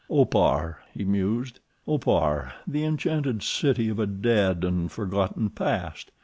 "Opar," he mused, "Opar, the enchanted city of a dead and forgotten past.